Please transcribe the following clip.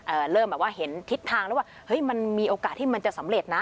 เริ่มแบบว่าเห็นทิศทางแล้วว่าเฮ้ยมันมีโอกาสที่มันจะสำเร็จนะ